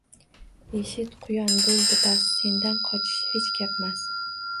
Eshit, quyon, bo’ldi bas, sendan qochish hech gapmas